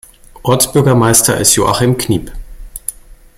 Ortsbürgermeister ist Joachim Kniep.